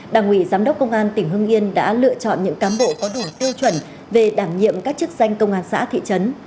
đảng ủy giám đốc công an tỉnh hưng yên đã lựa chọn những cán bộ có đủ tiêu chuẩn về đảm nhiệm các chức danh công an xã thị trấn